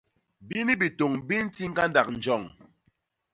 Bini bitôñ bi nti ñgandak njoñ.